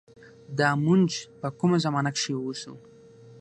دا مونږ په کومه زمانه کښې اوسو